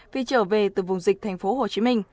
vì trở về từ vùng dịch tp hcm